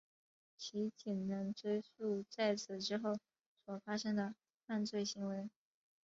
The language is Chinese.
其仅能追诉在此之后所发生的犯罪行为。